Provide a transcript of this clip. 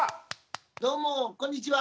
どうもこんにちは。